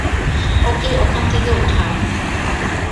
ওকে ওখান থেকে উঠান।